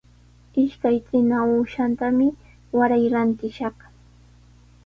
Ishkay trina uushatami waray rantishaq.